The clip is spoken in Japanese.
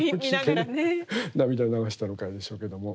涙流したのでしょうけども。